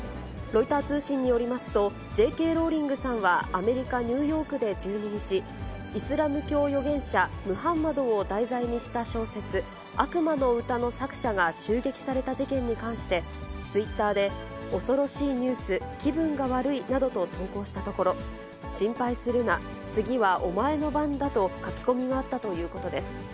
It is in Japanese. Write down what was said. ロイター通信によりますと、Ｊ．Ｋ．ローリングさんは、アメリカ・ニューヨークで１２日、イスラム教預言者、ムハンマドを題材にした小説、悪魔の詩の作者が襲撃された事件に関して、ツイッターで、恐ろしいニュース、気分が悪いなどと投稿したところ、心配するな、次はおまえの番だと書き込みがあったということです。